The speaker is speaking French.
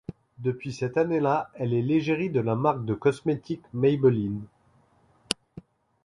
Depuis cette année-là, elle est l'égérie de la marque de cosmétiques Maybelline.